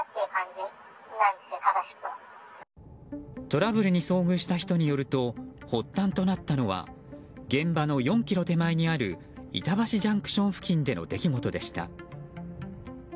トラブルに遭遇した人によると発端となったのは現場の４ｋｍ手前にある板橋ＪＣＴ付近での出来事でした。